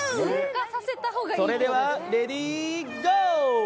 それではレディーゴー！